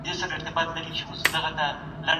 د ادارې سیستم باید بشپړ عصري سي.